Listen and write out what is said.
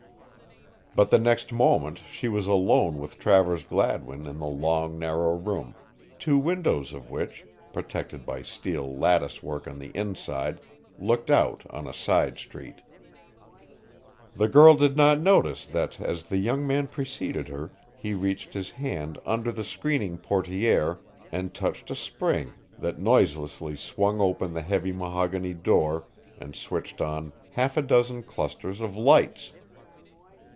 But the next moment she was alone with Travers Gladwin in the long, narrow room, two windows of which, protected by steel lattice work on the inside, looked out on a side street. The girl did not notice that as the young man preceded her he reached his hand under the screening portière and touched a spring that noiselessly swung open the heavy mahogany door and switched on half a dozen clusters of lights.